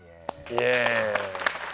イエイ。